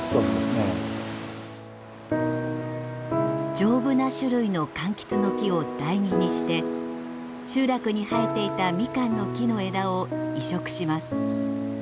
丈夫な種類のかんきつの木を台木にして集落に生えていたみかんの木の枝を移植します。